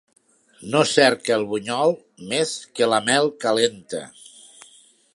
No cerca el bunyol més que la mel calenta.